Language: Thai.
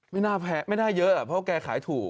ไม่น่าแพ้ไม่น่าเยอะเพราะแกขายถูก